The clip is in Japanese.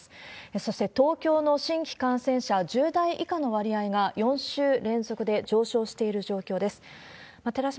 そして東京の新規感染者、１０代以下の割合が、４週連続で上昇している状況です。